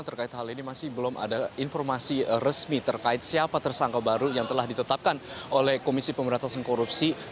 terkait hal ini masih belum ada informasi resmi terkait siapa tersangka baru yang telah ditetapkan oleh komisi pemberantasan korupsi